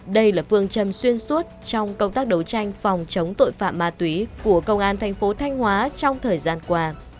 đây là phương châm xuyên suốt trong công tác đấu tranh phòng chống tội phạm ma túy của công an thành phố thanh hóa trong thời gian qua